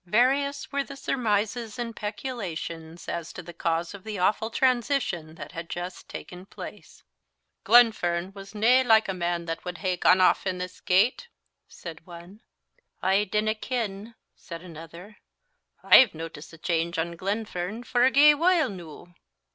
Various were the surmises and speculations as to the cause of the awful transition that had just taken place. "Glenfern was nae like a man that wad hae gaen aff in this gate," said one. "I dinna ken," said another; "I've notic'd a chainge on Glenfern for a gey while noo."